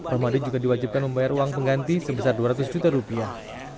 romadhan juga diwajibkan membayar uang pengganti sebesar dua ratus juta rupiah